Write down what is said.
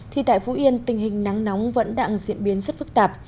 thì tại phú yên tình hình nắng nóng vẫn đang diễn biến rất phức tạp